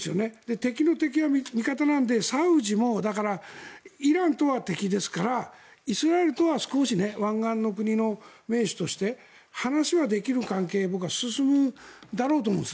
敵の敵は味方なのでサウジもイランとは敵ですからイスラエルとは少し、湾岸の国の盟主として話はできる関係僕は進むだろうと思うんです。